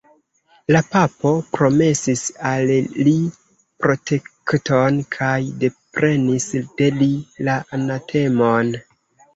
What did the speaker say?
La papo promesis al li protekton kaj deprenis de li la anatemon.